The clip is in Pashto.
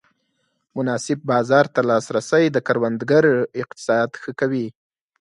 مناسب بازار ته لاسرسی د کروندګر اقتصاد ښه کوي.